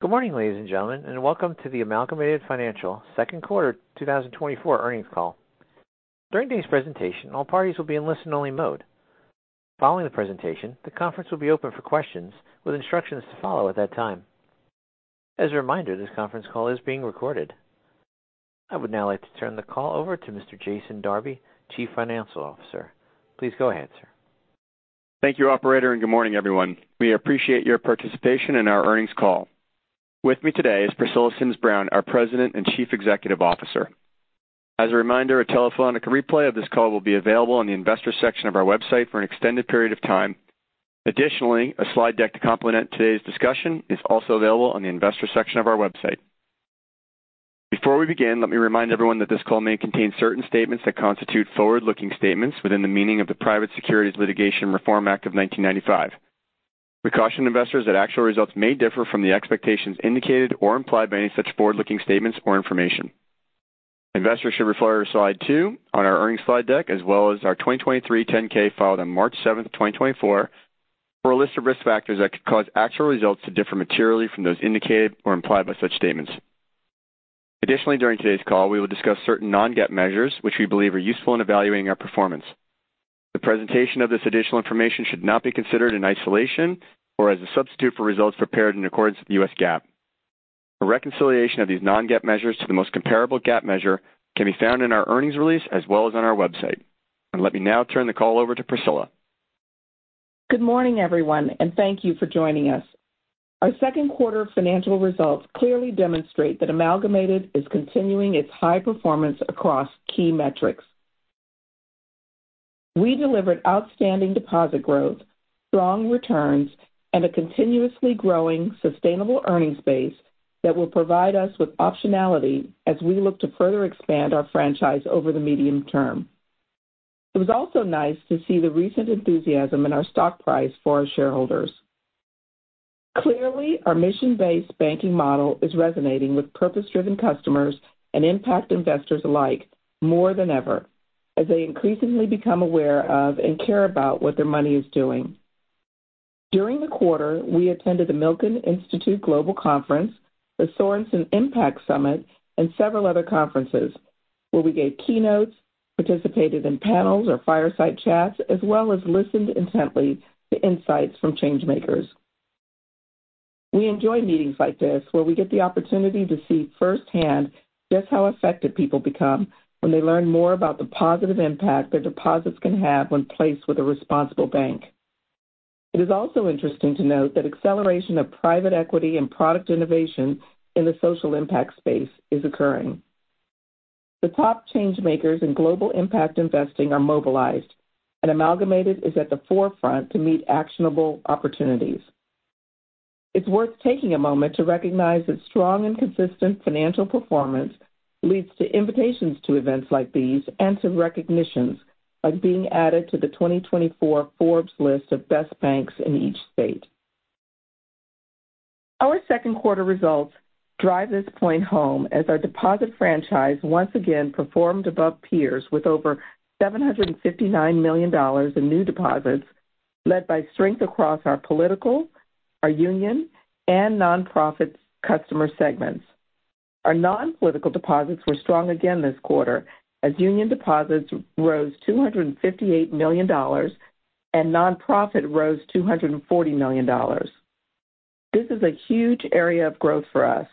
Good morning, ladies and gentlemen, and welcome to the Amalgamated Financial second quarter 2024 earnings call. During today's presentation, all parties will be in listen-only mode. Following the presentation, the conference will be open for questions with instructions to follow at that time. As a reminder, this conference call is being recorded. I would now like to turn the call over to Mr. Jason Darby, Chief Financial Officer. Please go ahead, sir. Thank you, operator, and good morning, everyone. We appreciate your participation in our earnings call. With me today is Priscilla Sims Brown, our President and Chief Executive Officer. As a reminder, a telephonic replay of this call will be available on the investor section of our website for an extended period of time. Additionally, a slide deck to complement today's discussion is also available on the investor section of our website. Before we begin, let me remind everyone that this call may contain certain statements that constitute forward-looking statements within the meaning of the Private Securities Litigation Reform Act of 1995. We caution investors that actual results may differ from the expectations indicated or implied by any such forward-looking statements or information. Investors should refer to slide two on our earnings slide deck, as well as our 2023 10-K, filed on March 7, 2024, for a list of risk factors that could cause actual results to differ materially from those indicated or implied by such statements. Additionally, during today's call, we will discuss certain non-GAAP measures, which we believe are useful in evaluating our performance. The presentation of this additional information should not be considered in isolation or as a substitute for results prepared in accordance with U.S. GAAP. A reconciliation of these non-GAAP measures to the most comparable GAAP measure can be found in our earnings release as well as on our website. Let me now turn the call over to Priscilla. Good morning, everyone, and thank you for joining us. Our second quarter financial results clearly demonstrate that Amalgamated is continuing its high performance across key metrics. We delivered outstanding deposit growth, strong returns, and a continuously growing sustainable earnings base that will provide us with optionality as we look to further expand our franchise over the medium term. It was also nice to see the recent enthusiasm in our stock price for our shareholders. Clearly, our mission-based banking model is resonating with purpose-driven customers and impact investors alike more than ever, as they increasingly become aware of and care about what their money is doing. During the quarter, we attended the Milken Institute Global Conference, the Sorenson Impact Summit, and several other conferences where we gave keynotes, participated in panels or fireside chats, as well as listened intently to insights from change makers. We enjoy meetings like this, where we get the opportunity to see firsthand just how effective people become when they learn more about the positive impact their deposits can have when placed with a responsible bank. It is also interesting to note that acceleration of private equity and product innovation in the social impact space is occurring. The top change makers in global impact investing are mobilized, and Amalgamated is at the forefront to meet actionable opportunities. It's worth taking a moment to recognize that strong and consistent financial performance leads to invitations to events like these and to recognitions of being added to the 2024 Forbes' list of best banks in each state. Our second quarter results drive this point home as our deposit franchise once again performed above peers with over $759 million in new deposits, led by strength across our political, our union, and nonprofit customer segments. Our non-political deposits were strong again this quarter, as union deposits rose $258 million and nonprofit rose $240 million. This is a huge area of growth for us.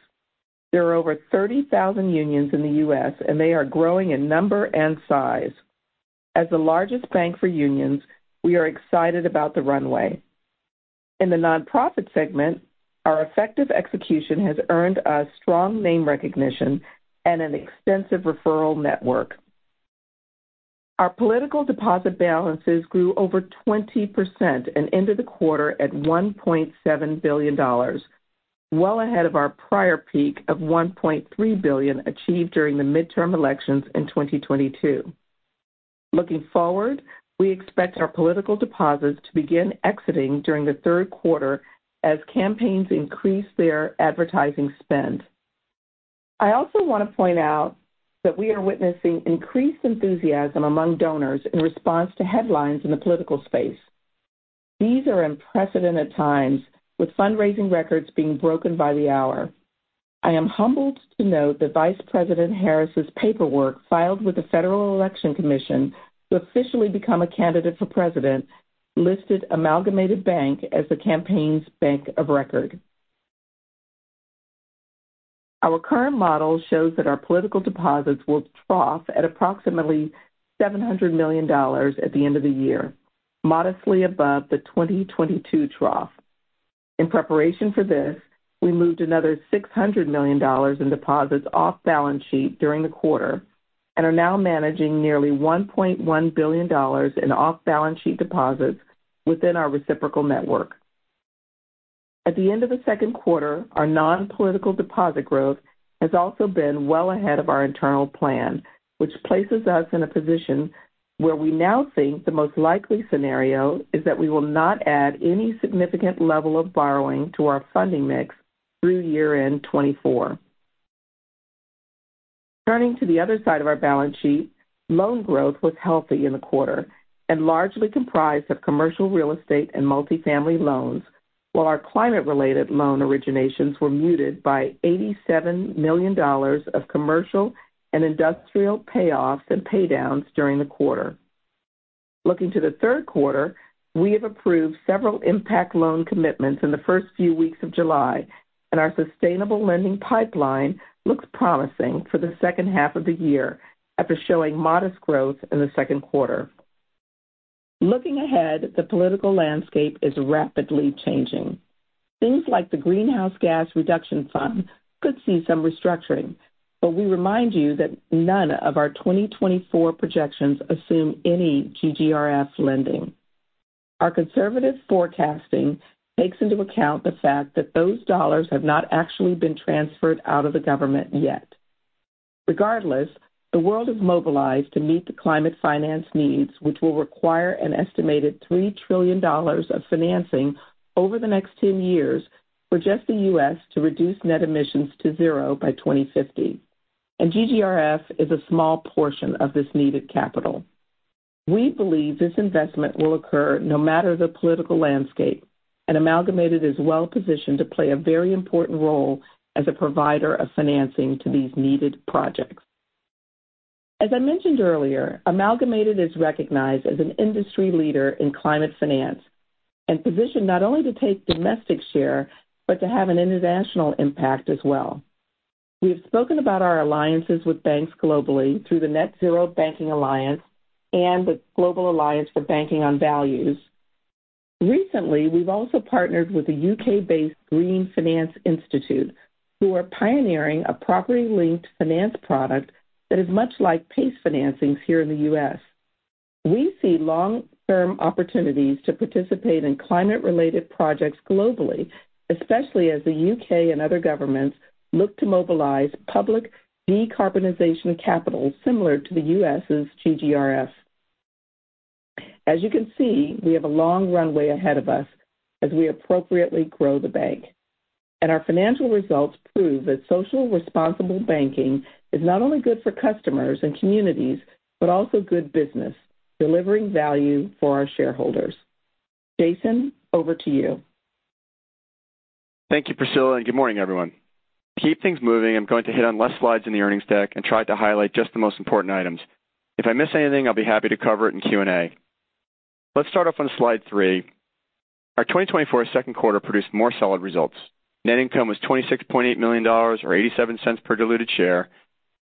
There are over 30,000 unions in the U.S., and they are growing in number and size. As the largest bank for unions, we are excited about the runway. In the nonprofit segment, our effective execution has earned us strong name recognition and an extensive referral network. Our political deposit balances grew over 20% and ended the quarter at $1.7 billion, well ahead of our prior peak of $1.3 billion achieved during the midterm elections in 2022. Looking forward, we expect our political deposits to begin exiting during the third quarter as campaigns increase their advertising spend. I also want to point out that we are witnessing increased enthusiasm among donors in response to headlines in the political space. These are unprecedented times, with fundraising records being broken by the hour. I am humbled to note that Vice President Harris's paperwork, filed with the Federal Election Commission to officially become a candidate for president, listed Amalgamated Bank as the campaign's bank of record. Our current model shows that our political deposits will trough at approximately $700 million at the end of the year, modestly above the 2022 trough. In preparation for this, we moved another $600 million in deposits off balance sheet during the quarter and are now managing nearly $1.1 billion in off-balance sheet deposits within our reciprocal network. At the end of the second quarter, our non-political deposit growth has also been well ahead of our internal plan, which places us in a position where we now think the most likely scenario is that we will not add any significant level of borrowing to our funding mix through year-end 2024. Turning to the other side of our balance sheet, loan growth was healthy in the quarter and largely comprised of commercial real estate and multifamily loans, while our climate-related loan originations were muted by $87 million of commercial and industrial payoffs and pay downs during the quarter. Looking to the third quarter, we have approved several impact loan commitments in the first few weeks of July, and our sustainable lending pipeline looks promising for the second half of the year, after showing modest growth in the second quarter. Looking ahead, the political landscape is rapidly changing. Things like the Greenhouse Gas Reduction Fund could see some restructuring, but we remind you that none of our 2024 projections assume any GGRF lending. Our conservative forecasting takes into account the fact that those dollars have not actually been transferred out of the government yet. Regardless, the world is mobilized to meet the climate finance needs, which will require an estimated $3 trillion of financing over the next 10 years for just the U.S. to reduce net emissions to zero by 2050, and GGRF is a small portion of this needed capital. We believe this investment will occur no matter the political landscape, and Amalgamated is well positioned to play a very important role as a provider of financing to these needed projects. As I mentioned earlier, Amalgamated is recognized as an industry leader in climate finance and positioned not only to take domestic share, but to have an international impact as well. We've spoken about our alliances with banks globally through the Net-Zero Banking Alliance and the Global Alliance for Banking on Values. Recently, we've also partnered with the U.K.-based Green Finance Institute, who are pioneering a property-linked finance product that is much like PACE financings here in the U.S. We see long-term opportunities to participate in climate-related projects globally, especially as the U.K. and other governments look to mobilize public decarbonization capital similar to the U.S.'s GGRF. As you can see, we have a long runway ahead of us as we appropriately grow the bank, and our financial results prove that socially responsible banking is not only good for customers and communities, but also good business, delivering value for our shareholders. Jason, over to you. Thank you, Priscilla, and good morning, everyone. To keep things moving, I'm going to hit on fewer slides in the earnings deck and try to highlight just the most important items. If I miss anything, I'll be happy to cover it in Q&A. Let's start off on slide three. Our 2024 second quarter produced more solid results. Net income was $26.8 million, or $0.87 per diluted share.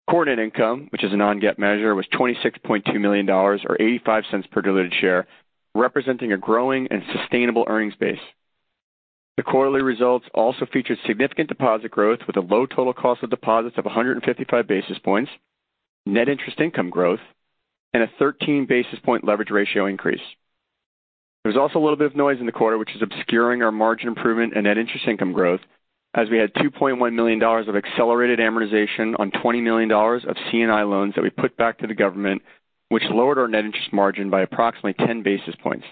Core net income, which is a non-GAAP measure, was $26.2 million, or $0.85 per diluted share, representing a growing and sustainable earnings base. The quarterly results also featured significant deposit growth with a low total cost of deposits of 155 basis points, net interest income growth, and a 13 basis point leverage ratio increase. There's also a little bit of noise in the quarter, which is obscuring our margin improvement and net interest income growth, as we had $2.1 million of accelerated amortization on $20 million of C&I loans that we put back to the government, which lowered our net interest margin by approximately 10 basis points.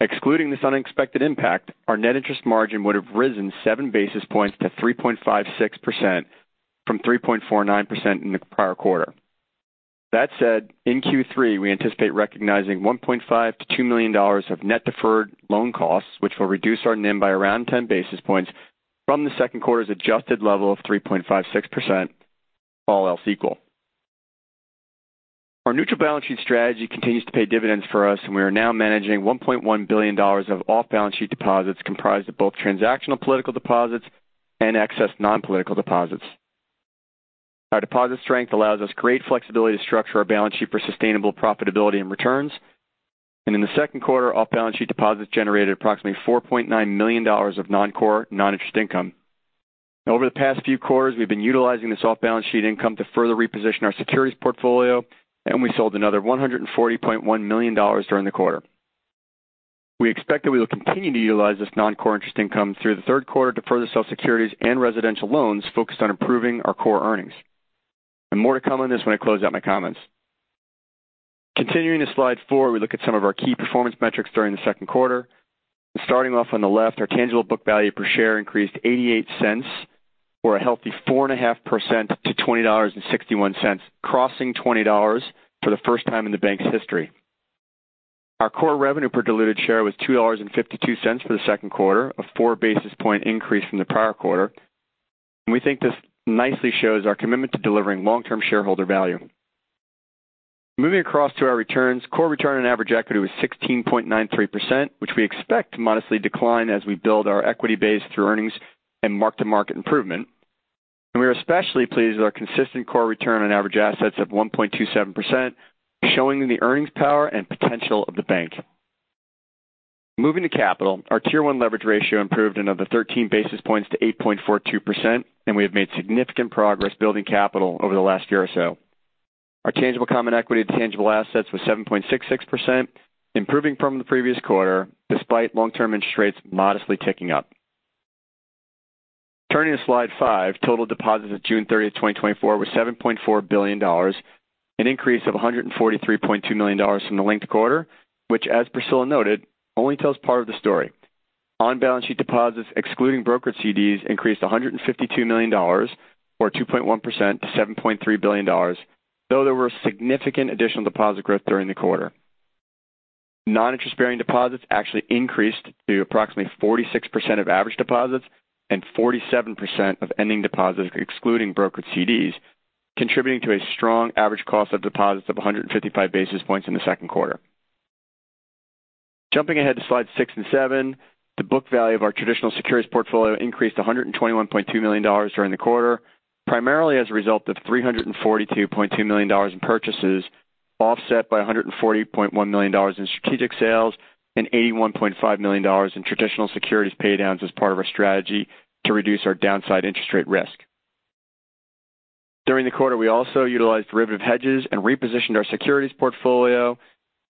Excluding this unexpected impact, our net interest margin would have risen 7 basis points to 3.56% from 3.49% in the prior quarter. That said, in Q3, we anticipate recognizing $1.5 million-$2 million of net deferred loan costs, which will reduce our NIM by around 10 basis points from the second quarter's adjusted level of 3.56%, all else equal. Our neutral balance sheet strategy continues to pay dividends for us, and we are now managing $1.1 billion of off-balance sheet deposits, comprised of both transactional political deposits and excess non-political deposits. Our deposit strength allows us great flexibility to structure our balance sheet for sustainable profitability and returns. In the second quarter, off-balance sheet deposits generated approximately $4.9 million of noncore, non-interest income. Over the past few quarters, we've been utilizing this off-balance sheet income to further reposition our securities portfolio, and we sold another $140.1 million during the quarter. We expect that we will continue to utilize this noncore interest income through the third quarter to further sell securities and residential loans focused on improving our core earnings. More to come on this when I close out my comments. Continuing to slide four, we look at some of our key performance metrics during the second quarter. Starting off on the left, our tangible book value per share increased $0.88, or a healthy 4.5% to $20.61, crossing $20 for the first time in the bank's history. Our core revenue per diluted share was $2.52 for the second quarter, a 4 basis point increase from the prior quarter. And we think this nicely shows our commitment to delivering long-term shareholder value. Moving across to our returns, core return on average equity was 16.93%, which we expect to modestly decline as we build our equity base through earnings and mark-to-market improvement. We are especially pleased with our consistent core return on average assets of 1.27%, showing the earnings power and potential of the bank. Moving to capital, our Tier 1 leverage ratio improved another 13 basis points to 8.42%, and we have made significant progress building capital over the last year or so. Our tangible common equity to tangible assets was 7.66%, improving from the previous quarter, despite long-term interest rates modestly ticking up. Turning to slide five, total deposits at June 30, 2024, were $7.4 billion, an increase of $143.2 million from the linked quarter, which, as Priscilla noted, only tells part of the story. On-balance sheet deposits, excluding broker CDs, increased $152 million or 2.1% to $7.3 billion, though there were significant additional deposit growth during the quarter. Non-interest-bearing deposits actually increased to approximately 46% of average deposits and 47% of ending deposits, excluding brokered CDs, contributing to a strong average cost of deposits of 155 basis points in the second quarter. Jumping ahead to slide six and seve, the book value of our traditional securities portfolio increased to $121.2 million during the quarter, primarily as a result of $342.2 million in purchases, offset by $140.1 million in strategic sales and $81.5 million in traditional securities pay downs as part of our strategy to reduce our downside interest rate risk. During the quarter, we also utilized derivative hedges and repositioned our securities portfolio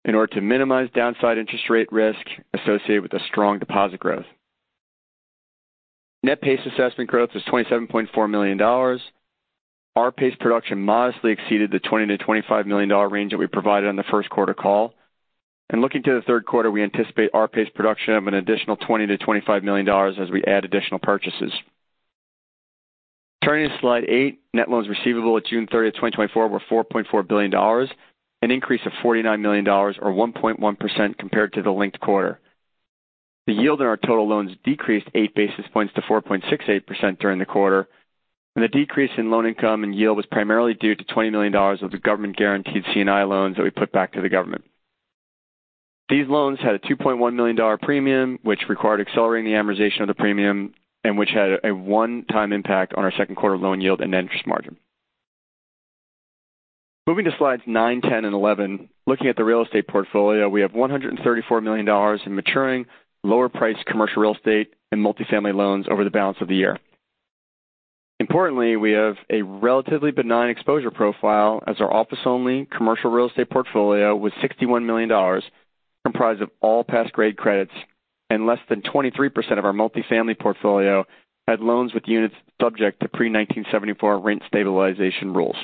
in order to minimize downside interest rate risk associated with a strong deposit growth. Net PACE assessment growth is $27.4 million. R-PACE production modestly exceeded the $20-$25 million range that we provided on the first quarter call. Looking to the third quarter, we anticipate R-PACE production of an additional $20 million-$25 million as we add additional purchases. Turning to slide eight, net loans receivable at June 30, 2024, were $4.4 billion, an increase of $49 million, or 1.1% compared to the linked quarter. The yield in our total loans decreased 8 basis points to 4.68% during the quarter, and the decrease in loan income and yield was primarily due to $20 million of the government-guaranteed C&I loans that we put back to the government. These loans had a $2.1 million premium, which required accelerating the amortization of the premium and which had a one-time impact on our second quarter loan yield and net interest margin. Moving to slides nine, 10, and 11, looking at the real estate portfolio, we have $134 million in maturing lower-priced commercial real estate and multifamily loans over the balance of the year. Importantly, we have a relatively benign exposure profile as our office-only commercial real estate portfolio with $61 million comprised of all pass grade credits and less than 23% of our multifamily portfolio had loans with units subject to pre-1974 rent stabilization rules.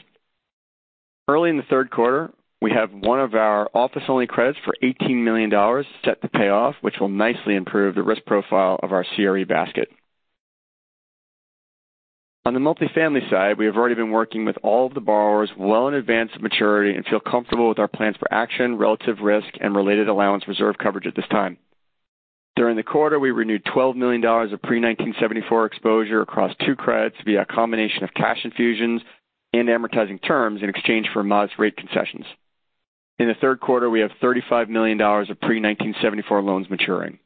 Early in the third quarter, we have one of our office-only credits for $18 million set to pay off, which will nicely improve the risk profile of our CRE basket. On the multifamily side, we have already been working with all of the borrowers well in advance of maturity and feel comfortable with our plans for action, relative risk, and related allowance reserve coverage at this time. During the quarter, we renewed $12 million of pre-1974 exposure across two credits via a combination of cash infusions and amortizing terms in exchange for modest rate concessions. In the third quarter, we have $35 million of pre-1974 loans maturing.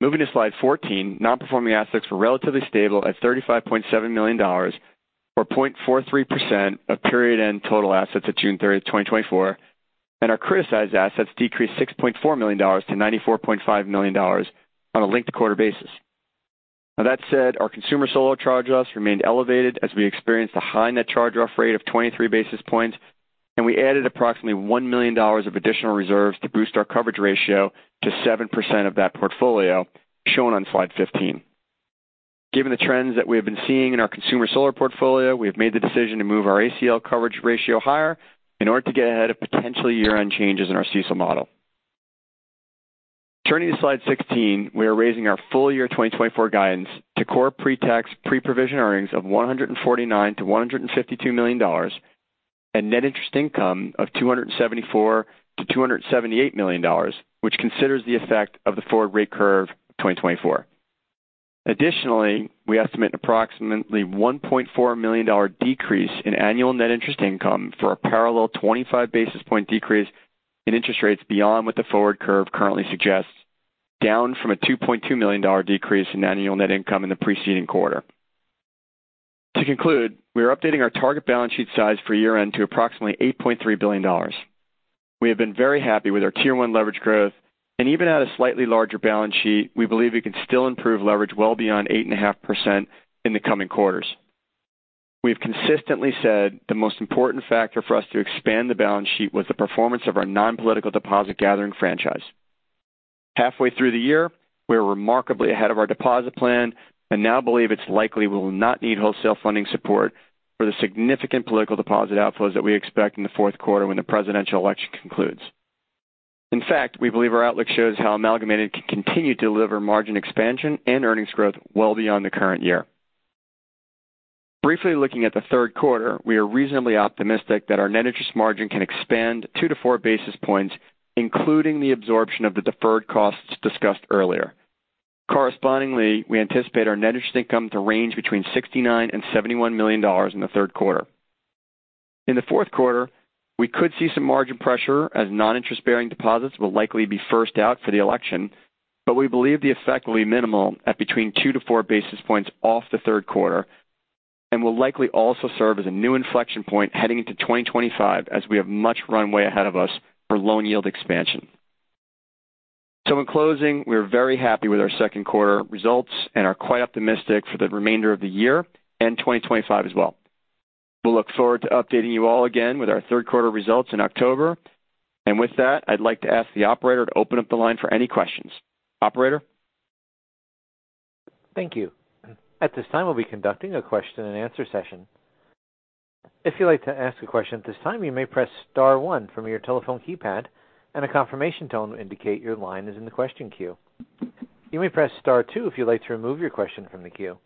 Moving to slide 14, nonperforming assets were relatively stable at $35.7 million, or 0.43% of period end total assets at June 30, 2024, and our criticized assets decreased $6.4 million to $94.5 million on a linked quarter basis. Now, that said, our consumer solar charge-offs remained elevated as we experienced a high net charge-off rate of 23 basis points, and we added approximately $1 million of additional reserves to boost our coverage ratio to 7% of that portfolio, shown on slide 15. Given the trends that we have been seeing in our consumer solar portfolio, we have made the decision to move our ACL coverage ratio higher in order to get ahead of potential year-end changes in our CECL model. Turning to slide 16, we are raising our full year 2024 guidance to core pre-tax, pre-provision earnings of $149 million-$152 million, and net interest income of $274 million-$278 million, which considers the effect of the forward rate curve 2024. Additionally, we estimate approximately $1.4 million decrease in annual net interest income for a parallel 25 basis point decrease in interest rates beyond what the forward curve currently suggests, down from a $2.2 million decrease in annual net income in the preceding quarter. To conclude, we are updating our target balance sheet size for year-end to approximately $8.3 billion. We have been very happy with our Tier 1 leverage growth, and even at a slightly larger balance sheet, we believe we can still improve leverage well beyond 8.5% in the coming quarters. We've consistently said the most important factor for us to expand the balance sheet was the performance of our non-political deposit gathering franchise. Halfway through the year, we are remarkably ahead of our deposit plan and now believe it's likely we will not need wholesale funding support for the significant political deposit outflows that we expect in the fourth quarter when the presidential election concludes. In fact, we believe our outlook shows how Amalgamated can continue to deliver margin expansion and earnings growth well beyond the current year. Briefly looking at the third quarter, we are reasonably optimistic that our net interest margin can expand 2-4 basis points, including the absorption of the deferred costs discussed earlier. Correspondingly, we anticipate our net interest income to range between $69 million and $71 million in the third quarter. In the fourth quarter, we could see some margin pressure as non-interest-bearing deposits will likely be first out for the election, but we believe the effect will be minimal at between 2-4 basis points off the third quarter and will likely also serve as a new inflection point heading into 2025, as we have much runway ahead of us for loan yield expansion. So in closing, we're very happy with our second quarter results and are quite optimistic for the remainder of the year and 2025 as well. We'll look forward to updating you all again with our third quarter results in October. With that, I'd like to ask the operator to open up the line for any questions. Operator? Thank you. At this time, we'll be conducting a question-and-answer session. If you'd like to ask a question at this time, you may press star one from your telephone keypad, and a confirmation tone will indicate your line is in the question queue. You may press star two if you'd like to remove your question from the queue.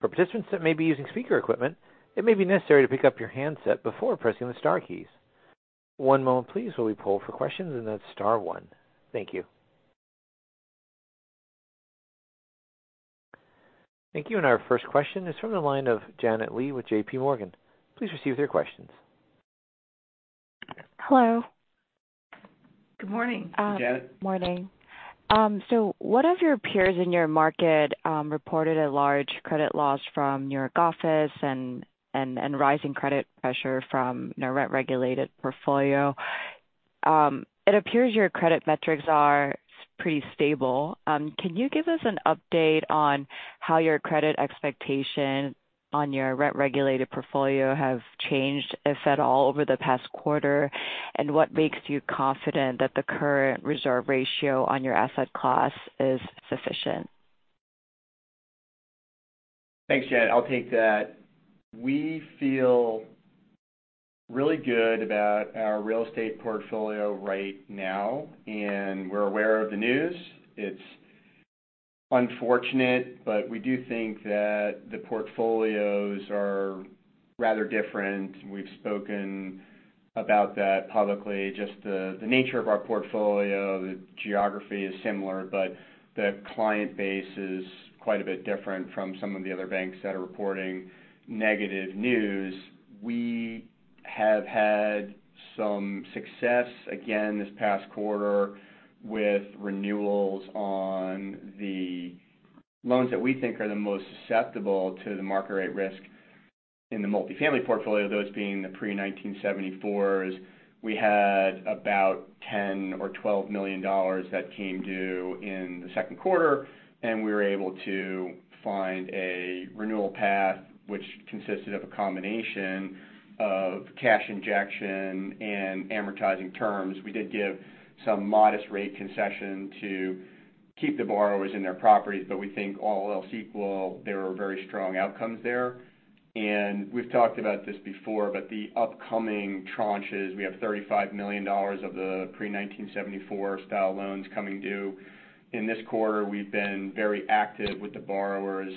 For participants that may be using speaker equipment, it may be necessary to pick up your handset before pressing the star keys. One moment please, while we poll for questions, and then star one. Thank you. Thank you. And our first question is from the line of Janet Lee with JPMorgan. Please proceed with your question. Hello. Good morning. Janet. Morning. So one of your peers in your market reported a large credit loss from New York office and rising credit pressure from the rent-regulated portfolio. It appears your credit metrics are pretty stable. Can you give us an update on how your credit expectation on your rent-regulated portfolio have changed, if at all, over the past quarter? And what makes you confident that the current reserve ratio on your asset class is sufficient? Thanks, Janet. I'll take that. We feel really good about our real estate portfolio right now, and we're aware of the news. It's unfortunate, but we do think that the portfolios are rather different. We've spoken about that publicly, just the, the nature of our portfolio, the geography is similar, but the client base is quite a bit different from some of the other banks that are reporting negative news. We have had some success, again, this past quarter with renewals on the loans that we think are the most susceptible to the market rate risk in the multifamily portfolio, those being the pre-1974s. We had about $10 million-$12 million that came due in the second quarter, and we were able to find a renewal path which consisted of a combination of cash injection and amortizing terms. We did give some modest rate concession to keep the borrowers in their properties, but we think all else equal, there are very strong outcomes there. And we've talked about this before, but the upcoming tranches, we have $35 million of the pre-1974-style loans coming due. In this quarter, we've been very active with the borrowers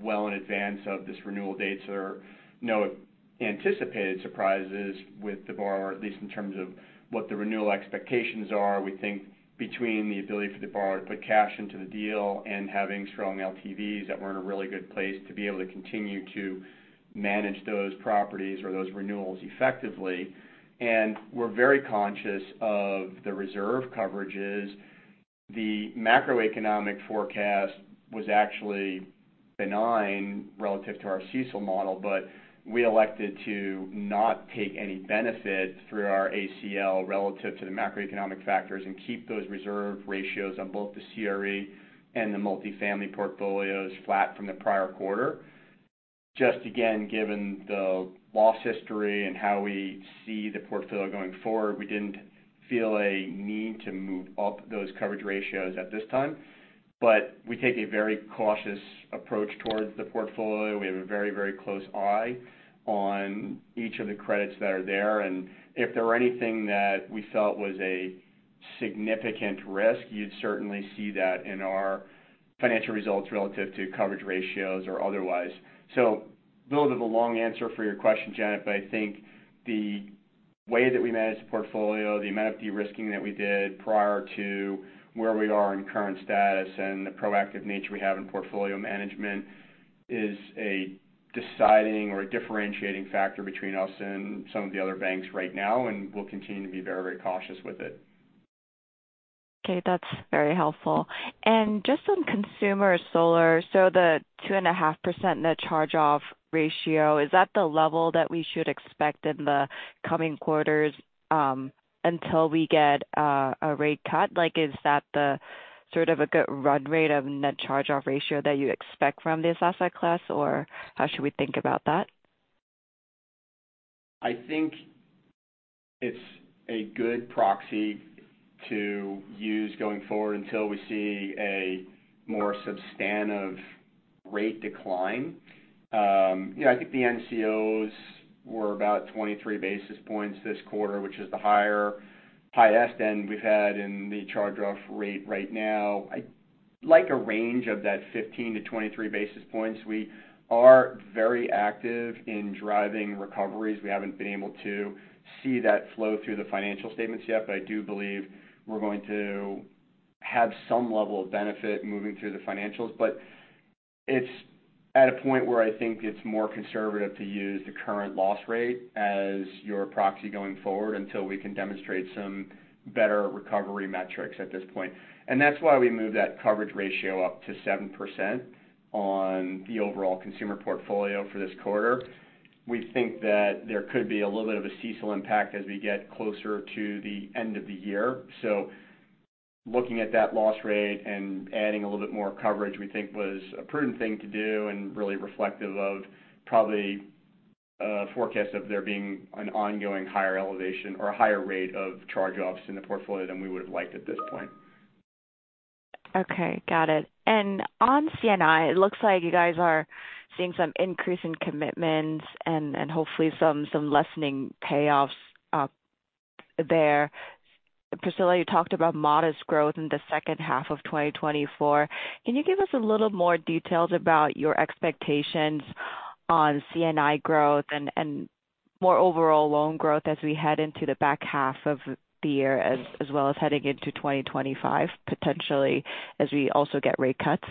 well in advance of this renewal dates. There are no anticipated surprises with the borrower, at least in terms of what the renewal expectations are. We think between the ability for the borrower to put cash into the deal and having strong LTVs, that we're in a really good place to be able to continue to manage those properties or those renewals effectively. And we're very conscious of the reserve coverages. The macroeconomic forecast was actually benign relative to our CECL model, but we elected to not take any benefit through our ACL relative to the macroeconomic factors and keep those reserve ratios on both the CRE and the multifamily portfolios flat from the prior quarter. Just again, given the loss history and how we see the portfolio going forward, we didn't feel a need to move up those coverage ratios at this time. But we take a very, very close eye on each of the credits that are there, and if there were anything that we felt was a significant risk, you'd certainly see that in our financial results relative to coverage ratios or otherwise. So a little bit of a long answer for your question, Janet, but I think the way that we manage the portfolio, the amount of de-risking that we did prior to where we are in current status and the proactive nature we have in portfolio management, is a deciding or a differentiating factor between us and some of the other banks right now, and we'll continue to be very, very cautious with it. Okay, that's very helpful. Just on consumer solar, so the 2.5% net charge-off ratio, is that the level that we should expect in the coming quarters until we get a rate cut? Like, is that the sort of a good run rate of net charge-off ratio that you expect from this asset class, or how should we think about that? I think it's a good proxy to use going forward until we see a more substantive rate decline. You know, I think the NCOs were about 23 basis points this quarter, which is the higher, highest end we've had in the charge-off rate right now. I'd like a range of that 15-23 basis points. We are very active in driving recoveries. We haven't been able to see that flow through the financial statements yet, but I do believe we're going to have some level of benefit moving through the financials. But it's at a point where I think it's more conservative to use the current loss rate as your proxy going forward, until we can demonstrate some better recovery metrics at this point. That's why we moved that coverage ratio up to 7% on the overall consumer portfolio for this quarter. We think that there could be a little bit of a CECL impact as we get closer to the end of the year. So looking at that loss rate and adding a little bit more coverage, we think was a prudent thing to do and really reflective of probably a forecast of there being an ongoing higher elevation or a higher rate of charge-offs in the portfolio than we would have liked at this point. Okay, got it. And on C&I, it looks like you guys are seeing some increase in commitments and hopefully some lessening payoffs up there. Priscilla, you talked about modest growth in the second half of 2024. Can you give us a little more details about your expectations on C&I growth and more overall loan growth as we head into the back half of the year, as well as heading into 2025, potentially, as we also get rate cuts?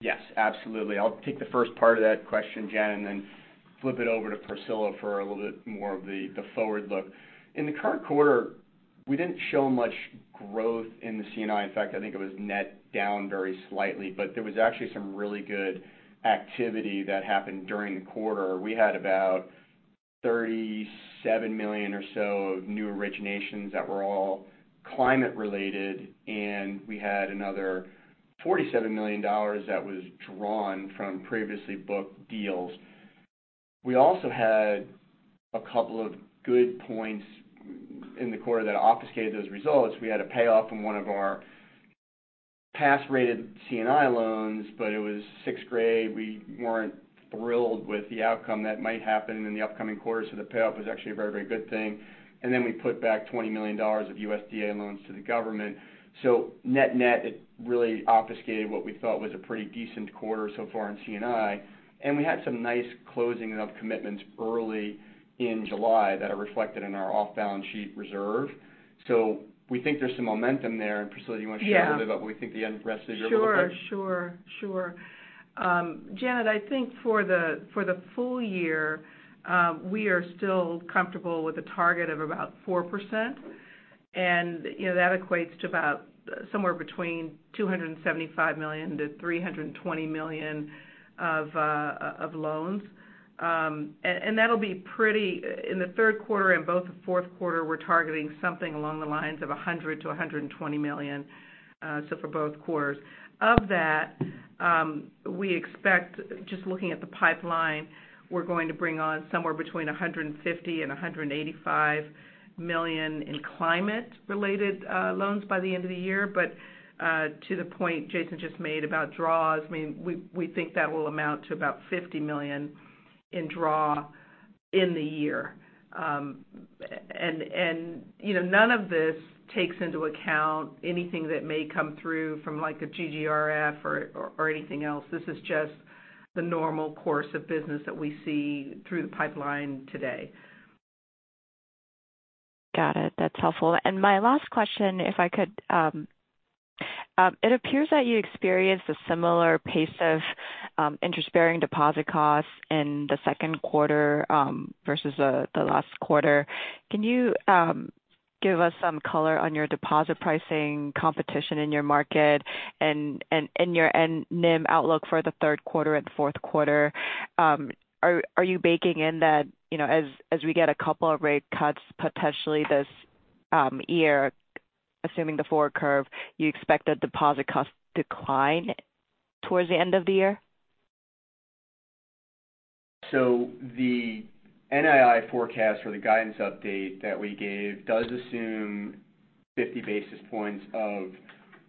Yes, absolutely. I'll take the first part of that question, Janet, and then flip it over to Priscilla for a little bit more of the forward look. In the current quarter, we didn't show much growth in the C&I. In fact, I think it was net down very slightly, but there was actually some really good activity that happened during the quarter. We had about $37 million or so of new originations that were all climate related, and we had another $47 million that was drawn from previously booked deals. We also had a couple of good points in the quarter that obfuscated those results. We had a payoff from one of our pass rated C&I loans, but it was six grade. We weren't thrilled with the outcome that might happen in the upcoming quarter, so the payoff was actually a very, very good thing. Then we put back $20 million of USDA loans to the government. So net-net, it really obfuscated what we thought was a pretty decent quarter so far in C&I. We had some nice closing of commitments early in July that are reflected in our off-balance sheet reserve. So we think there's some momentum there. Priscilla, you want to share- Yeah A little bit about what we think the end rest of the year looks like? Sure, sure, sure. Janet, I think for the full year, we are still comfortable with a target of about 4%, and, you know, that equates to about somewhere between $275 million-$320 million of loans. And that'll be—In the third quarter and both the fourth quarter, we're targeting something along the lines of $100 million-$120 million, so for both quarters. Of that, we expect, just looking at the pipeline, we're going to bring on somewhere between $150 million-$185 million in climate-related loans by the end of the year. But, to the point Jason just made about draws, I mean, we think that will amount to about $50 million in draw in the year. You know, none of this takes into account anything that may come through from, like, a GGRF or anything else. This is just the normal course of business that we see through the pipeline today. Got it. That's helpful. And my last question, if I could. It appears that you experienced a similar pace of interest-bearing deposit costs in the second quarter versus the last quarter. Can you give us some color on your deposit pricing competition in your market and your end-NIM outlook for the third quarter and fourth quarter? Are you baking in that, you know, as we get a couple of rate cuts, potentially this year, assuming the forward curve, you expect a deposit cost decline towards the end of the year? So the NII forecast or the guidance update that we gave does assume 50 basis points of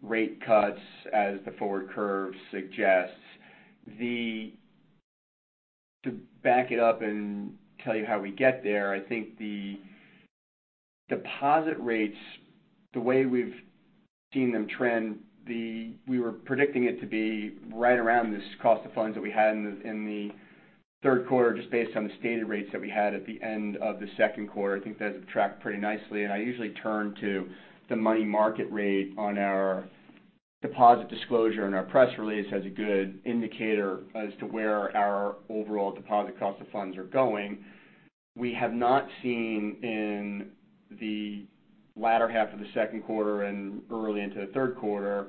rate cuts as the forward curve suggests. To back it up and tell you how we get there, I think the deposit rates, the way we've seen them trend, we were predicting it to be right around this cost of funds that we had in the third quarter, just based on the stated rates that we had at the end of the second quarter. I think that's tracked pretty nicely, and I usually turn to the money market rate on our deposit disclosure and our press release as a good indicator as to where our overall deposit cost of funds are going. We have not seen in the latter half of the second quarter and early into the third quarter,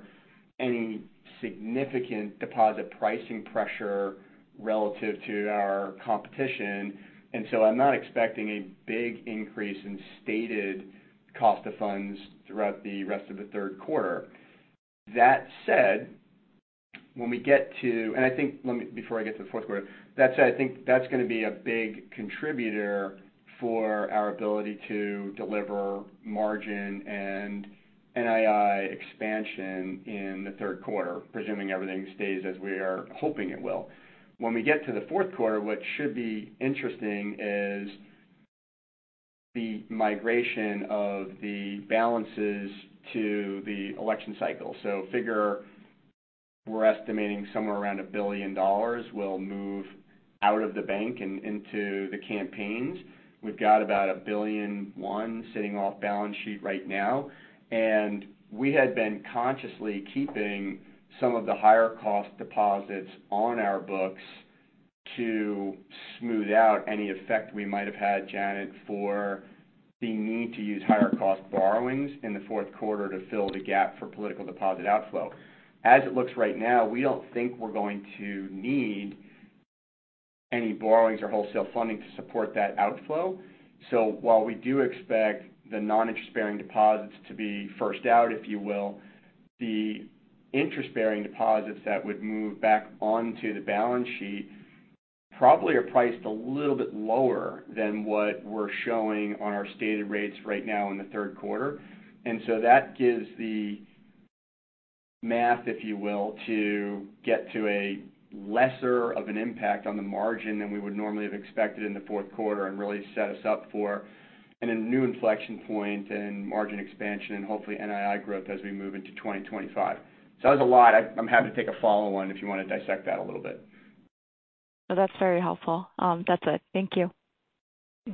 any significant deposit pricing pressure relative to our competition, and so I'm not expecting a big increase in stated cost of funds throughout the rest of the third quarter. That said, before I get to the fourth quarter, that said, I think that's going to be a big contributor for our ability to deliver margin and NII expansion in the third quarter, presuming everything stays as we are hoping it will. When we get to the fourth quarter, what should be interesting is the migration of the balances to the election cycle. So figure, we're estimating somewhere around $1 billion will move out of the bank and into the campaigns. We've got about $1.1 billion sitting off balance sheet right now, and we had been consciously keeping some of the higher cost deposits on our books to smooth out any effect we might have had, Janet, for the need to use higher cost borrowings in the fourth quarter to fill the gap for political deposit outflow. As it looks right now, we don't think we're going to need any borrowings or wholesale funding to support that outflow. So while we do expect the non-interest-bearing deposits to be first out, if you will, the interest-bearing deposits that would move back onto the balance sheet probably are priced a little bit lower than what we're showing on our stated rates right now in the third quarter. And so that gives the math, if you will, to get to a lesser of an impact on the margin than we would normally have expected in the fourth quarter and really set us up for in a new inflection point and margin expansion and hopefully NII growth as we move into 2025. So that was a lot. I'm happy to take a follow on if you want to dissect that a little bit. No, that's very helpful. That's it. Thank you.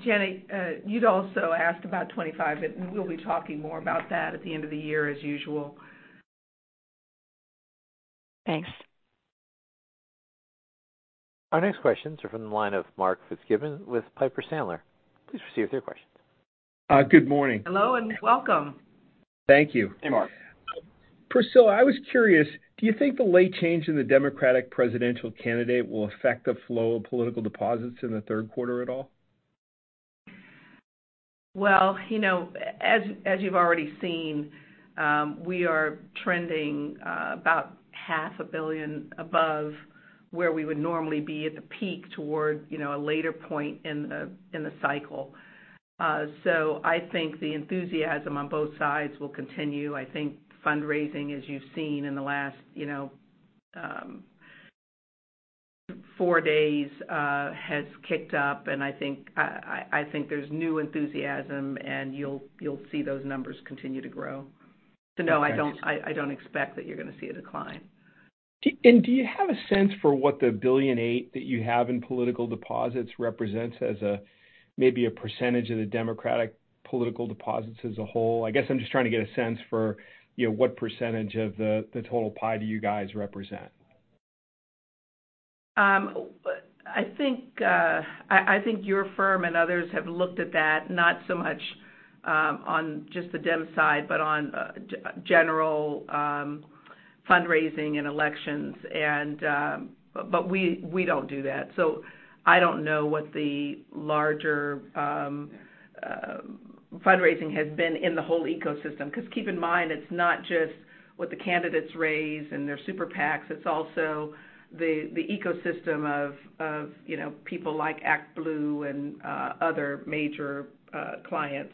Jenny, you'd also asked about 2025, and we'll be talking more about that at the end of the year, as usual. Thanks. Our next questions are from the line of Mark Fitzgibbon with Piper Sandler. Please proceed with your questions. Good morning. Hello, and welcome. Thank you. Hey, Mark. Priscilla, I was curious, do you think the late change in the Democratic presidential candidate will affect the flow of political deposits in the third quarter at all? Well, you know, as you've already seen, we are trending about $500 million above where we would normally be at the peak toward, you know, a later point in the cycle. So I think the enthusiasm on both sides will continue. I think fundraising, as you've seen in the last, you know, four days, has kicked up, and I think there's new enthusiasm, and you'll see those numbers continue to grow. So no, I don't expect that you're going to see a decline. Do you have a sense for what the $1.8 billion that you have in political deposits represents as a, maybe a percentage of the Democratic political deposits as a whole? I guess I'm just trying to get a sense for, you know, what percentage of the, the total pie do you guys represent? I think your firm and others have looked at that, not so much on just the Dem side, but on general fundraising and elections, and but we don't do that. So I don't know what the larger fundraising has been in the whole ecosystem, because keep in mind, it's not just what the candidates raise and their super PACs, it's also the ecosystem of you know, people like ActBlue and other major clients.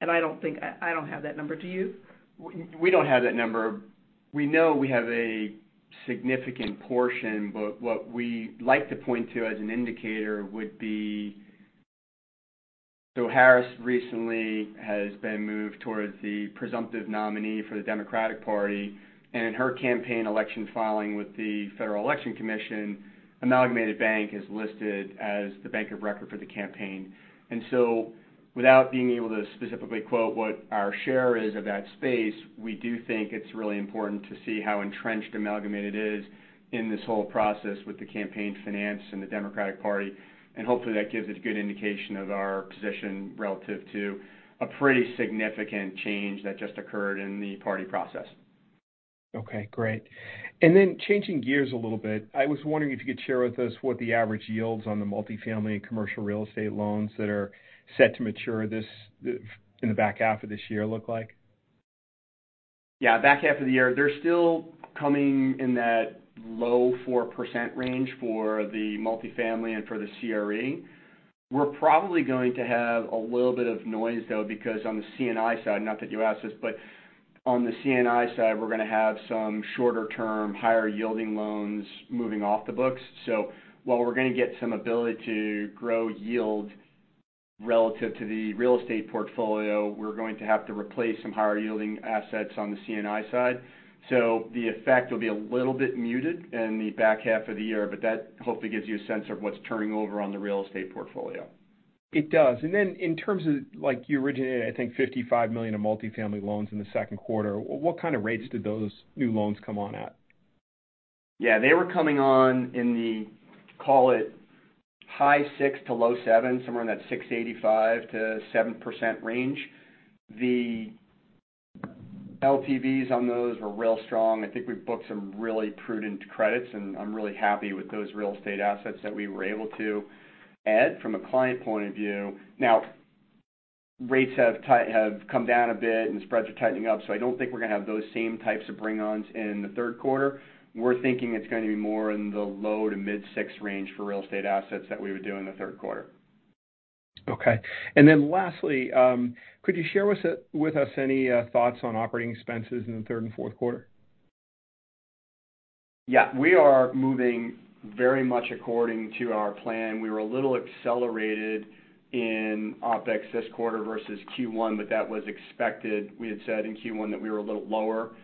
And I don't think... I don't have that number. Do you? We don't have that number. We know we have a significant portion, but what we like to point to as an indicator would be, so Harris recently has been moved towards the presumptive nominee for the Democratic Party, and in her campaign election filing with the Federal Election Commission, Amalgamated Bank is listed as the bank of record for the campaign. And so, without being able to specifically quote what our share is of that space, we do think it's really important to see how entrenched Amalgamated is in this whole process with the campaign finance and the Democratic Party. And hopefully, that gives us a good indication of our position relative to a pretty significant change that just occurred in the party process. Okay, great. And then changing gears a little bit, I was wondering if you could share with us what the average yields on the multifamily commercial real estate loans that are set to mature this in the back half of this year look like? Yeah, back half of the year, they're still coming in that low 4% range for the multifamily and for the CRE. We're probably going to have a little bit of noise, though, because on the C&I side, not that you asked this, but on the C&I side, we're going to have some shorter-term, higher-yielding loans moving off the books. So while we're going to get some ability to grow yield relative to the real estate portfolio, we're going to have to replace some higher-yielding assets on the C&I side. So the effect will be a little bit muted in the back half of the year, but that hopefully gives you a sense of what's turning over on the real estate portfolio. It does. Then in terms of like you originated, I think, $55 million of multifamily loans in the second quarter, what kind of rates did those new loans come on at? Yeah, they were coming on in the, call it, high 6% to low 7%, somewhere in that 6.85%-7% range. The LTVs on those were real strong. I think we've booked some really prudent credits, and I'm really happy with those real estate assets that we were able to add from a client point of view. Now, rates have come down a bit and spreads are tightening up, so I don't think we're going to have those same types of bring-ons in the third quarter. We're thinking it's going to be more in the low- to mid-6% range for real estate assets that we would do in the third quarter. Okay. And then lastly, could you share with us any thoughts on operating expenses in the third and fourth quarter? Yeah, we are moving very much according to our plan. We were a little accelerated in OpEx this quarter versus Q1, but that was expected. We had said in Q1 that we were a little lower than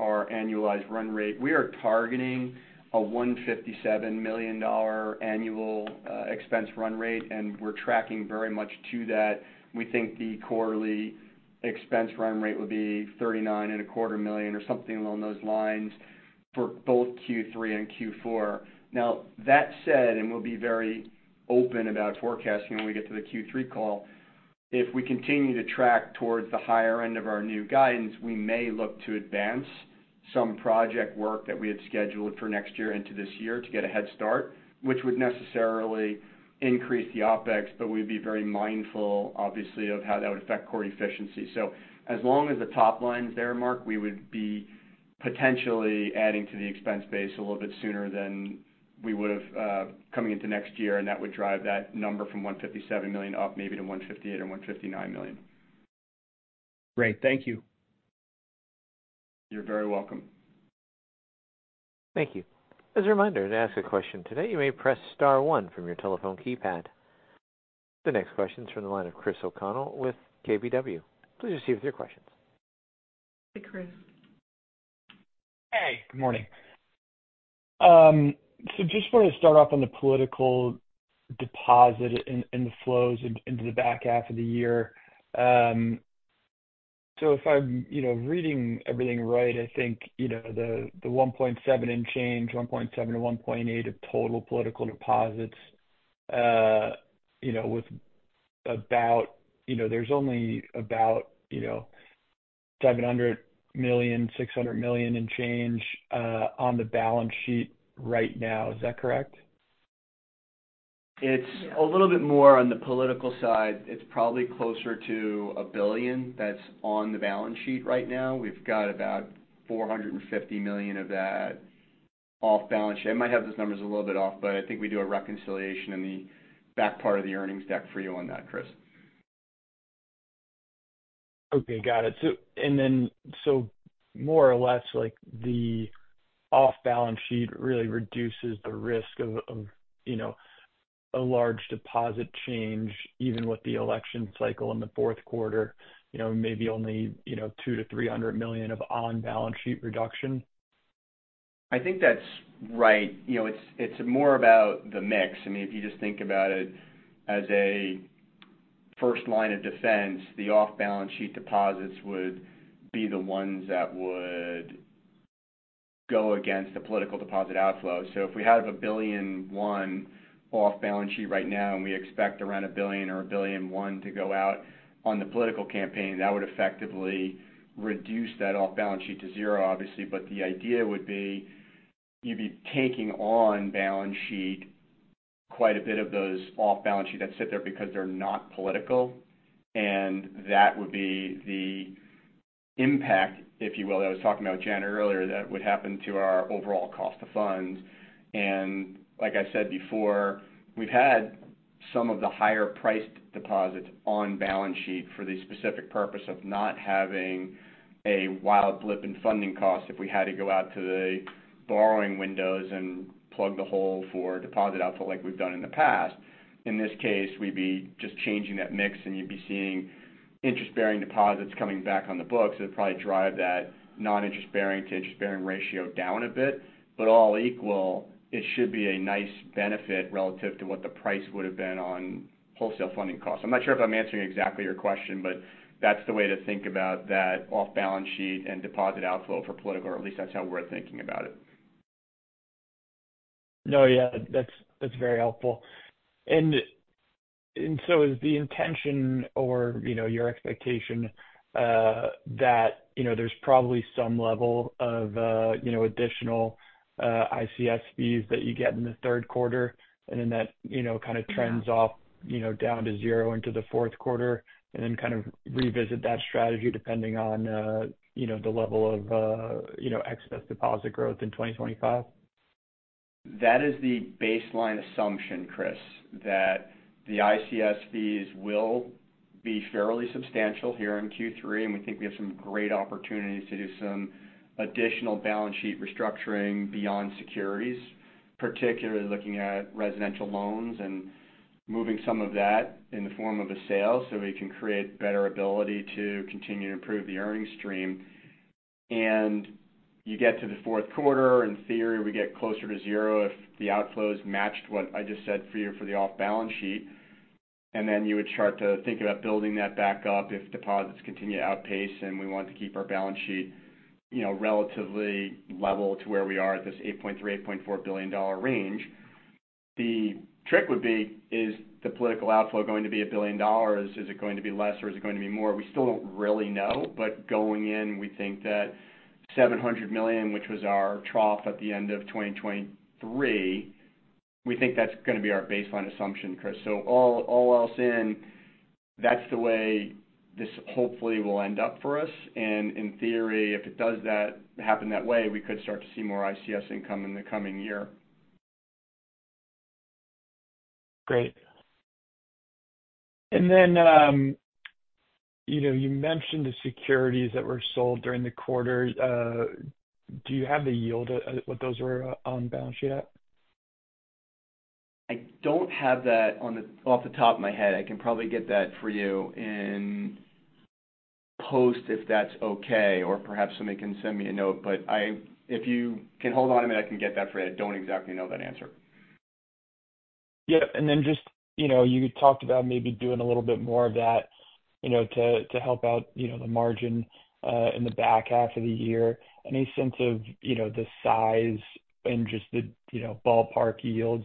our annualized run rate. We are targeting a $157 million annual expense run rate, and we're tracking very much to that. We think the quarterly expense run rate would be $39.25 million or something along those lines for both Q3 and Q4. Now, that said, and we'll be very open about forecasting when we get to the Q3 call. If we continue to track towards the higher end of our new guidance, we may look to advance some project work that we had scheduled for next year into this year to get a head start, which would necessarily increase the OpEx, but we'd be very mindful, obviously, of how that would affect core efficiency. So as long as the top line is there, Mark, we would be potentially adding to the expense base a little bit sooner than we would have, coming into next year, and that would drive that number from $157 million up maybe to $158 million or $159 million. Great. Thank you. You're very welcome. Thank you. As a reminder, to ask a question today, you may press star one from your telephone keypad. The next question is from the line of Chris O'Connell with KBW. Please proceed with your questions. Hey, Chris. Hey, good morning. So just wanted to start off on the political deposits in the flows into the back half of the year. So if I'm, you know, reading everything right, I think, you know, the $1.7 billion and change, $1.7 billion-$1.8 billion of total political deposits, you know, with about, you know, there's only about, you know, $700 million, $600 million and change, on the balance sheet right now. Is that correct? It's a little bit more on the political side. It's probably closer to $1 billion that's on the balance sheet right now. We've got about $450 million of that off balance sheet. I might have those numbers a little bit off, but I think we do a reconciliation in the back part of the earnings deck for you on that, Chris. Okay, got it. So—and then so more or less, like, the off-balance sheet really reduces the risk of you know a large deposit change, even with the election cycle in the fourth quarter, you know, maybe only you know $200 million-$300 million of on-balance sheet reduction? I think that's right. You know, it's more about the mix. I mean, if you just think about it as a first line of defense, the off-balance sheet deposits would be the ones that would go against the political deposit outflow. So if we have $1.1 billion off-balance sheet right now, and we expect around $1 billion or $1.1 billion to go out on the political campaign, that would effectively reduce that off-balance sheet to zero, obviously. But the idea would be you'd be taking on balance sheet quite a bit of those off-balance sheets that sit there because they're not political, and that would be the impact, if you will. I was talking to Jan earlier, that would happen to our overall cost of funds. Like I said before, we've had some of the higher priced deposits on balance sheet for the specific purpose of not having a wild blip in funding costs if we had to go out to the borrowing windows and plug the hole for deposit outflow like we've done in the past. In this case, we'd be just changing that mix, and you'd be seeing interest-bearing deposits coming back on the books. It'd probably drive that non-interest-bearing to interest-bearing ratio down a bit, but all equal, it should be a nice benefit relative to what the price would have been on wholesale funding costs. I'm not sure if I'm answering exactly your question, but that's the way to think about that off-balance-sheet and deposit outflow for political, or at least that's how we're thinking about it. No, yeah, that's, that's very helpful. And, and so is the intention or, you know, your expectation, that, you know, there's probably some level of, you know, additional, ICS fees that you get in the third quarter, and then that, you know, kind of trends off, you know, down to zero into the fourth quarter, and then kind of revisit that strategy depending on, you know, the level of, you know, excess deposit growth in 2025? That is the baseline assumption, Chris, that the ICS fees will be fairly substantial here in Q3, and we think we have some great opportunities to do some additional balance sheet restructuring beyond securities, particularly looking at residential loans and moving some of that in the form of a sale, so we can create better ability to continue to improve the earnings stream. And you get to the fourth quarter, in theory, we get closer to zero if the outflows matched what I just said for you for the off-balance sheet. And then you would start to think about building that back up if deposits continue to outpace, and we want to keep our balance sheet, you know, relatively level to where we are at this $8.3 billion-$8.4 billion range. The trick would be, is the political outflow going to be $1 billion? Is it going to be less, or is it going to be more? We still don't really know, but going in, we think that $700 million, which was our trough at the end of 2023, we think that's going to be our baseline assumption, Chris. So all, all else in, that's the way this hopefully will end up for us. And in theory, if it does that happen that way, we could start to see more ICS income in the coming year. Great. And then, you know, you mentioned the securities that were sold during the quarter. Do you have the yield at what those were on balance sheet at? I don't have that off the top of my head. I can probably get that for you in post, if that's okay, or perhaps somebody can send me a note. But if you can hold on a minute, I can get that for you. I don't exactly know that answer. Yeah, and then just, you know, you talked about maybe doing a little bit more of that, you know, to, to help out, you know, the margin, in the back half of the year. Any sense of, you know, the size and just the, you know, ballpark yields,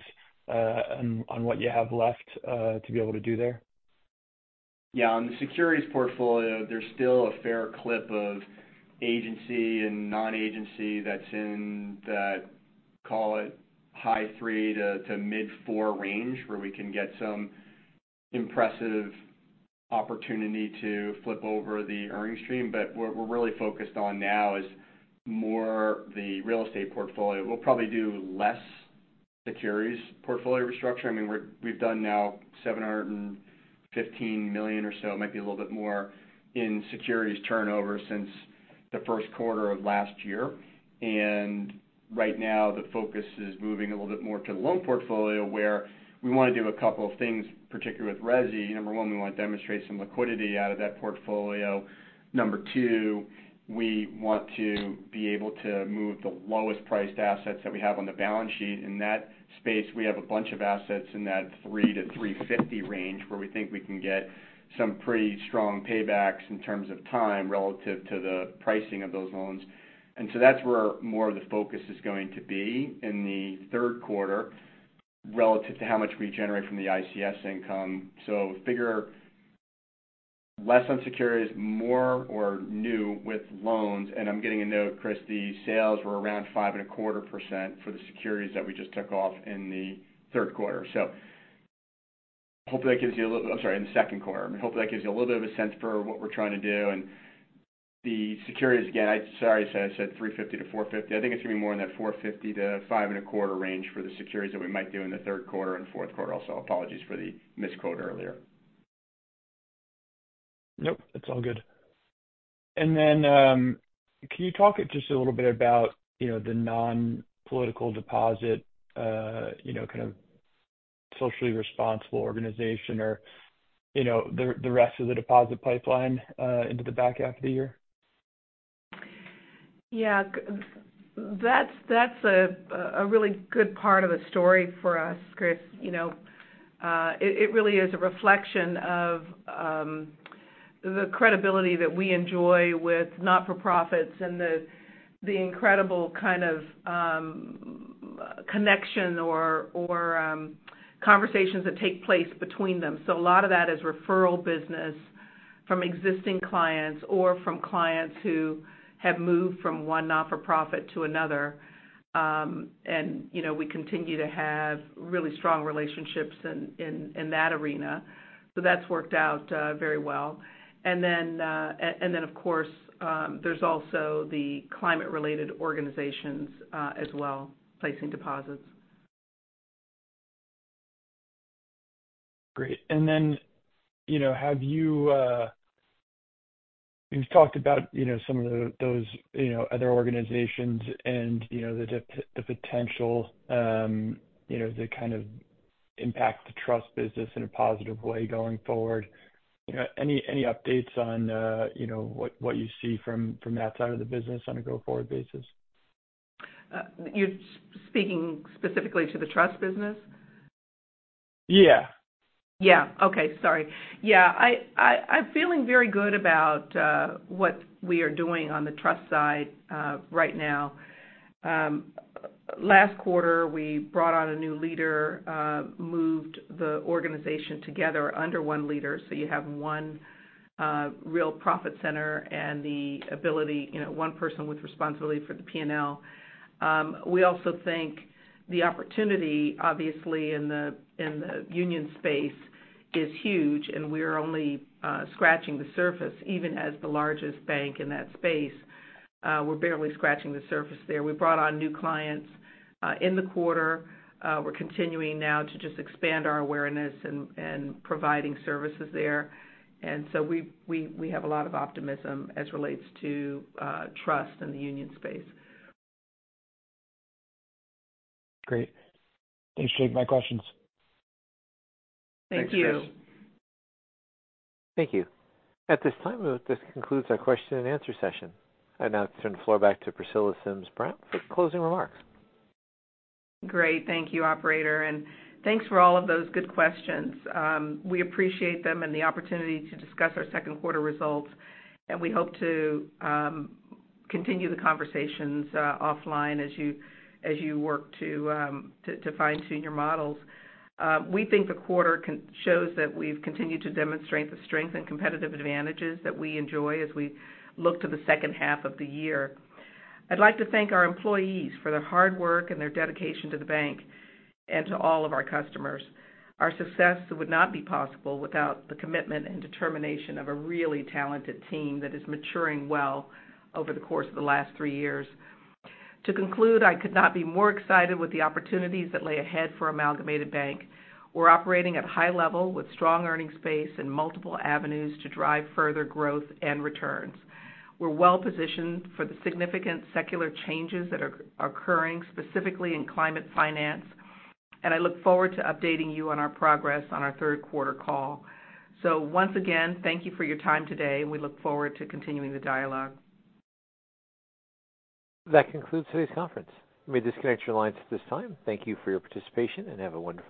on, on what you have left, to be able to do there? Yeah, on the securities portfolio, there's still a fair clip of agency and non-agency that's in that, call it, high-3 to mid-4 range, where we can get some impressive opportunity to flip over the earning stream. But what we're really focused on now is more the real estate portfolio. We'll probably do less securities portfolio restructuring. I mean, we've done now $715 million or so, it might be a little bit more, in securities turnover since the first quarter of last year. And right now, the focus is moving a little bit more to the loan portfolio, where we wanna do a couple of things, particularly with resi. Number one, we wanna demonstrate some liquidity out of that portfolio. Number two, we want to be able to move the lowest priced assets that we have on the balance sheet. In that space, we have a bunch of assets in that 3 to 3.50 range, where we think we can get some pretty strong paybacks in terms of time relative to the pricing of those loans. And so that's where more of the focus is going to be in the third quarter, relative to how much we generate from the ICS income. So bigger, less on securities, more on new loans. And I'm getting a note, Chris, the sales were around 5.25% for the securities that we just took off in the third quarter. So hopefully, that gives you a little, I'm sorry, in the second quarter. Hopefully, that gives you a little bit of a sense for what we're trying to do. And the securities, again, sorry, I said 3.50 to 4.50. I think it's gonna be more in that 4.50-5.25 range for the securities that we might do in the third quarter and fourth quarter also. Apologies for the misquote earlier. Nope, it's all good. And then, can you talk just a little bit about, you know, the non-political deposit, you know, kind of socially responsible organization or, you know, the rest of the deposit pipeline into the back half of the year? Yeah. That's, that's a really good part of the story for us, Chris. You know, it really is a reflection of the credibility that we enjoy with not-for-profits and the incredible kind of connection or conversations that take place between them. So a lot of that is referral business from existing clients or from clients who have moved from one not-for-profit to another. And, you know, we continue to have really strong relationships in that arena. So that's worked out very well. And then, and then, of course, there's also the climate-related organizations as well, placing deposits. Great. And then, you know, have you... You've talked about, you know, some of the-- those, you know, other organizations and, you know, the potential, you know, to kind of impact the trust business in a positive way going forward. You know, any updates on, you know, what you see from that side of the business on a go-forward basis? You're speaking specifically to the trust business? Yeah. Yeah. Okay, sorry. Yeah, I, I'm feeling very good about what we are doing on the trust side right now. Last quarter, we brought on a new leader, moved the organization together under one leader, so you have one real profit center and the ability, you know, one person with responsibility for the P&L. We also think the opportunity, obviously, in the union space is huge, and we are only scratching the surface. Even as the largest bank in that space, we're barely scratching the surface there. We brought on new clients in the quarter. We're continuing now to just expand our awareness and providing services there. And so we have a lot of optimism as relates to trust in the union space. Great. Those are my questions. Thank you. Thanks, Chris. Thank you. At this time, this concludes our question and answer session. I now turn the floor back to Priscilla Sims Brown for closing remarks. Great. Thank you, operator, and thanks for all of those good questions. We appreciate them and the opportunity to discuss our second quarter results, and we hope to continue the conversations offline as you work to fine-tune your models. We think the quarter shows that we've continued to demonstrate the strength and competitive advantages that we enjoy as we look to the second half of the year. I'd like to thank our employees for their hard work and their dedication to the bank and to all of our customers. Our success would not be possible without the commitment and determination of a really talented team that is maturing well over the course of the last three years. To conclude, I could not be more excited with the opportunities that lay ahead for Amalgamated Bank. We're operating at a high level with strong earnings pace and multiple avenues to drive further growth and returns. We're well positioned for the significant secular changes that are occurring, specifically in climate finance, and I look forward to updating you on our progress on our third quarter call. Once again, thank you for your time today, and we look forward to continuing the dialogue. That concludes today's conference. You may disconnect your lines at this time. Thank you for your participation and have a wonderful day.